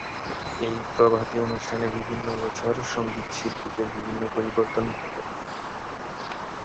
এই প্রভাতী অনুষ্ঠানে বিভিন্ন বছর সঙ্গীতশিল্পীদের বিভিন্ন পরিবর্তন ঘটে।